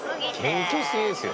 謙虚すぎですよ。